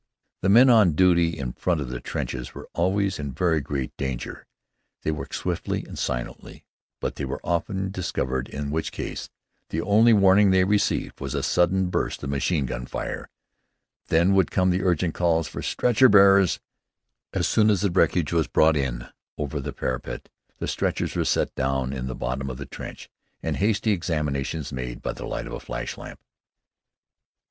The men on duty in front of the trenches were always in very great danger. They worked swiftly and silently, but they were often discovered, in which case the only warning they received was a sudden burst of machine gun fire. Then would come urgent calls for "Stretcher bearers!" and soon the wreckage was brought in over the parapet. The stretchers were set down in the bottom of the trench and hasty examinations made by the light of a flash lamp.